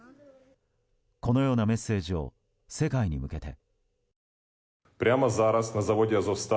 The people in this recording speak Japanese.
このようなメッセージを世界に向けて。